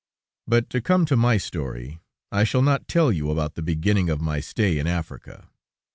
But to come to my story, I shall not tell you about the beginning of my stay in Africa.